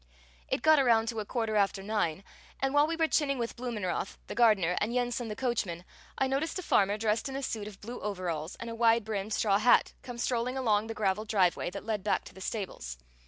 It got around to a quarter after nine, and while we were chinning with Blumenroth the gardener and Yensen the coachman, I noticed a farmer dressed in a suit of blue overalls and a wide brimmed straw hat come strolling along the graveled driveway that led back to the stables.